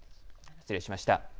失礼しました。